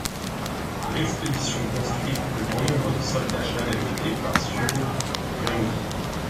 L'expédition conscrit le plus grand nombre de soldats jamais menés par Sui Yangdi.